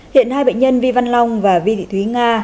hiện hai bệnh nhân vi văn long và vi thị thúy nga